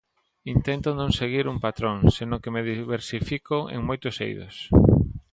Intento non seguir un patrón, senón que me diversifico en moitos eidos.